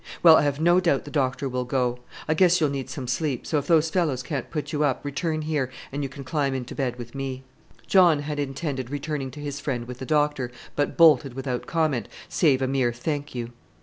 Well, I have no doubt the doctor will go. I guess you'll need some sleep, so if those fellows can't put you up, return here, and you can climb into bed with me." John had intended returning to his friend with the doctor, but bolted without comment, save a mere "Thank you."